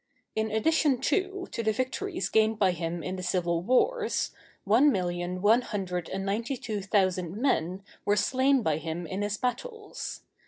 In addition, too, to the victories gained by him in the civil wars, one million one hundred and ninety two thousand men were slain by him in his battles.